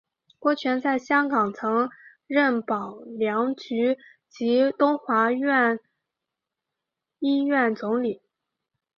郭泉在香港曾任保良局及东华医院总理。